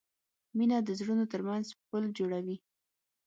مینه د زړونو ترمنځ پُل جوړوي.